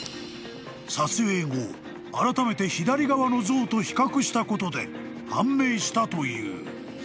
［撮影後あらためて左側の像と比較したことで判明したという］